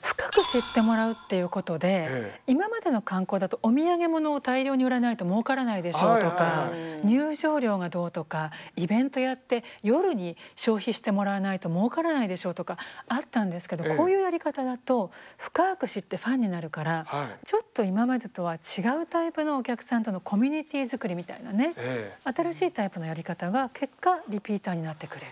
深く知ってもらうっていうことで今までの観光だとお土産物を大量に売らないともうからないでしょとか入場料がどうとかイベントやって夜に消費してもらわないともうからないでしょとかあったんですけどこういうやり方だと深く知ってファンになるからちょっと今までとは違うタイプのお客さんとのコミュニティーづくりみたいなね新しいタイプのやり方が結果リピーターになってくれる。